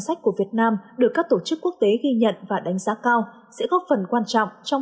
sách của việt nam được các tổ chức quốc tế ghi nhận và đánh giá cao sẽ góp phần quan trọng trong